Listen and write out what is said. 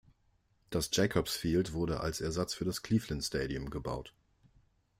Das Jacobs Field wurde als Ersatz für das Cleveland Stadium gebaut.